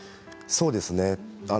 そうですね